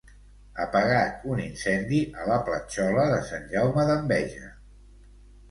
Apagat un incendi a la Platjola de Sant Jaume d'Enveja.